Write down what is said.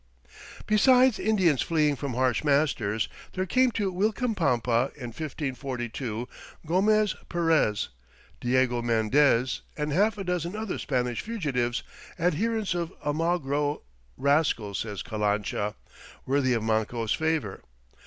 Besides Indians fleeing from harsh masters, there came to Uilcapampa, in 1542, Gomez Perez, Diego Mendez, and half a dozen other Spanish fugitives, adherents of Almagro, "rascals," says Calancha, "worthy of Manco's favor."